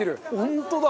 本当だ！